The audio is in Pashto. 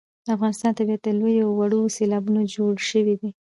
د افغانستان طبیعت له لویو او وړو سیلابونو جوړ شوی دی.